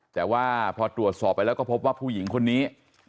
แต่ว่าพอตรวจสอบไปแล้วก็พบว่าผู้หญิงคนนี้